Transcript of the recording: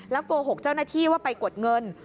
โกหกเจ้าหน้าที่ว่าไปกดเงิน